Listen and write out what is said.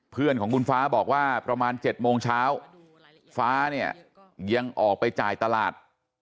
เพื่อนของคุณฟ้าบอกว่าประมาณ๗โมงเช้าฟ้าเนี่ยยังออกไปจ่ายตลาด